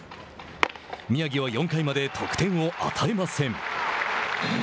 宮城は４回まで得点を与えません。